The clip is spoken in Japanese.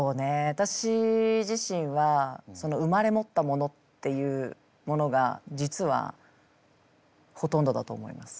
私自身は生まれ持ったものっていうものが実はほとんどだと思います。